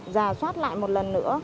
rào sát lại một lần nữa